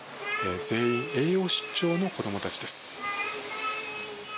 全員、栄養失調の子どもたちです。